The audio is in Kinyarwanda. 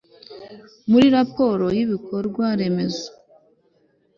muri raporo yibikorwa remezo